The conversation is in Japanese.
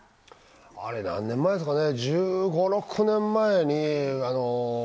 あれ何年前ですかね。